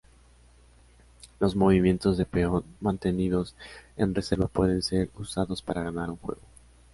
Los movimientos de peón mantenidos en reserva pueden ser usados para ganar un juego.